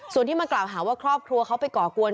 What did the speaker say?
ส่วนที่มากล่าวหาว่าครอบครัวเขาไปก่อกวน